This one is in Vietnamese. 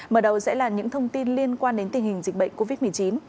mở đầu sẽ là những thông tin liên quan đến tình hình dịch bệnh covid một mươi chín